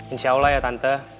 insya allah ya tante